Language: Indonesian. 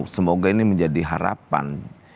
semoga ini menjadi harapan